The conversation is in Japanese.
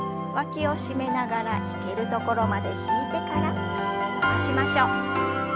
わきを締めながら引けるところまで引いてから伸ばしましょう。